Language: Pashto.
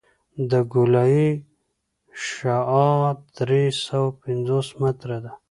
د ګولایي شعاع درې سوه پنځوس متره ده